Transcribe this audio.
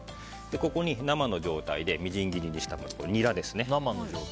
ここに生の状態でみじん切りにしたニラです。